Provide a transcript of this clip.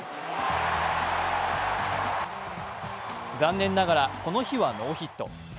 残念ながら、この日はノーヒット。